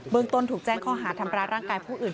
เมืองต้นถูกแจ้งข้อหาทำร้ายร่างกายผู้อื่น